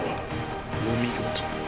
お見事。